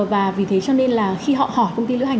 và vì thế cho nên là khi họ hỏi công ty lữ hành